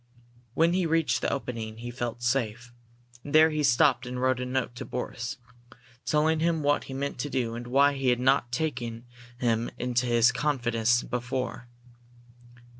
When he reached the opening he felt safe, and there he stopped and wrote a note to Boris, telling him what he meant to do and why he had not taken him into his confidence before.